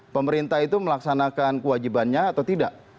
pemerintah itu melaksanakan kewajibannya atau tidak